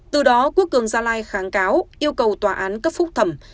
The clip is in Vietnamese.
từ đó quốc cường gia lai kháng cáo yêu cầu tòa án cấp phúc thẩm